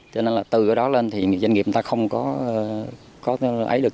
cho nên là từ đó lên thì doanh nghiệp ta không có ấy được